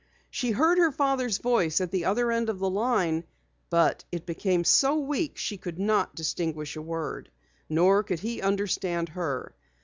She heard her father's voice at the other end of the line but it became so weak she could not distinguish a word. Nor could he understand her.